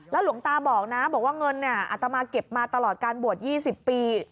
หลวงตาบอกนะบอกว่าเงินอัตมาเก็บมาตลอดการบวช๒๐ปี